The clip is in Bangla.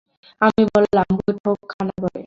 আমি বললুম, বৈঠকখানাঘরে।